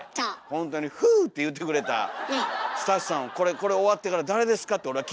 ほんとに「フゥー！」って言ってくれたスタッフさんをこれ終わってから「誰ですか」って俺は聞いてみたいです。